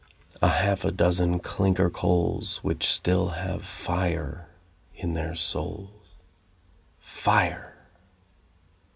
A half a dozen clinker coals Which still have fire in their souls. Fire!